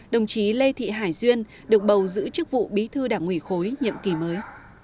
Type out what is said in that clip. đồng chí lê thị hải duyên được bầu giữ chức vụ bí thư đảng ủy khối nhiệm kỳ mới